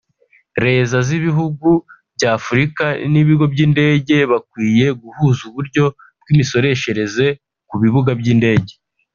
Leza z’ibihugu bya Afrika n’ibigo by’indege bakwiye guhuza uburyo bw’imisoreshereze ku bibuga by’indege